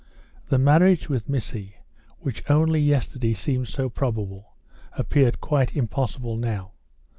The marriage with Missy, which only yesterday seemed so probable, appeared quite impossible now.